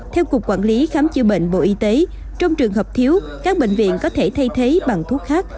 theo cục quản lý khám chữa bệnh bộ y tế trong trường hợp thiếu các bệnh viện có thể thay thế bằng thuốc khác